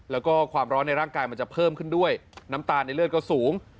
แล้วก็ความร้อนในร่างกายมันจะเพิ่มขึ้นด้วยน้ำตาลในเลือดก็สูง